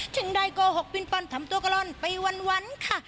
ถึงได้โกหกปิงปอนทำตัวกะล่อนไปวันค่ะ